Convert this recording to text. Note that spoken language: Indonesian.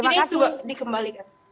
ini itu mbak dikembalikan